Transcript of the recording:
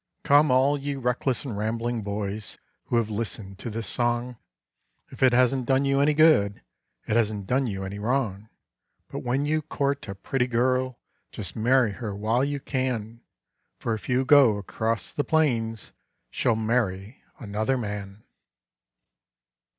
Come all you reckless and rambling boys who have listened to this song, If it hasn't done you any good, it hasn't done you any wrong; But when you court a pretty girl, just marry her while you can, For if you go across the plains she'll marry another man.